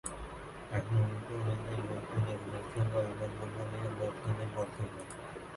এটি উত্তর থেকে দক্ষিণে বিস্তৃত এবং পূর্ব থেকে পশ্চিমে প্রশস্ত।